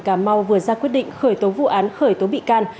cà mau vừa ra quyết định khởi tố vụ án khởi tố bị can